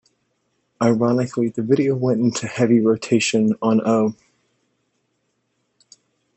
Ironically, the video went into heavy rotation on Oh!